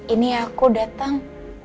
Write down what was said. ini aku datang